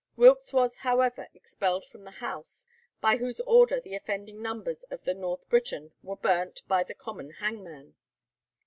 Wilkes was, however, expelled from the House, by whose order the offending numbers of the 'North Briton' were burnt by the common hangman.